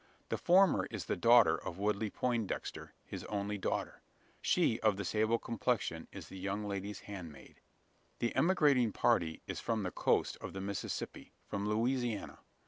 The former is the daughter of Woodley Poindexter his only daughter. She of the sable complexion is the young lady's handmaid. The emigrating party is from the "coast" of the Mississippi from Louisiana.